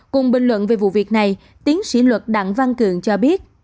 cùng bình luận về vụ việc này tiến sĩ luật đặng văn cường cho biết